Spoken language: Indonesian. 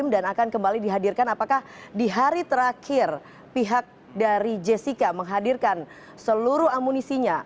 dan akan kembali dihadirkan apakah di hari terakhir pihak dari jessica menghadirkan seluruh amunisinya